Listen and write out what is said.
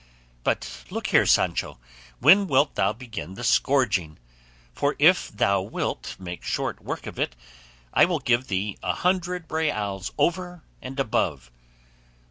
But look here, Sancho; when wilt thou begin the scourging? For if thou wilt make short work of it, I will give thee a hundred reals over and above."